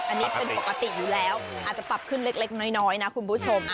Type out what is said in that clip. อันนี้เป็นปกติอยู่แล้วอาจจะปรับขึ้นเล็กน้อยนะคุณผู้ชม